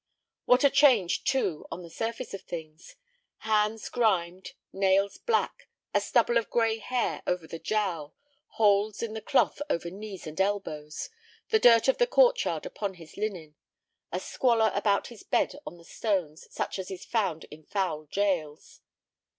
What a change, too, on the surface of things! Hands grimed, nails black, a stubble of gray hair over the jowl, holes in the cloth over knees and elbows, the dirt of the court yard upon his linen. A squalor about his bed on the stones such as is found in foul jails.